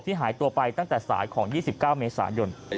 หายตัวไปตั้งแต่สายของ๒๙เมษายน